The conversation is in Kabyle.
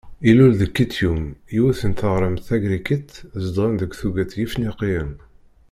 Ilul deg Kityum, yiwet n teɣremt tagrikit zedɣen deg tuget Yefniqiyen.